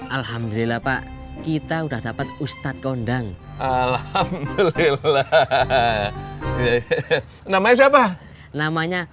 alhamdulillah pak kita udah dapat ustadz kondang alhamdulillah namanya siapa namanya